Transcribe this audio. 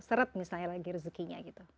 seret misalnya lagi rezekinya gitu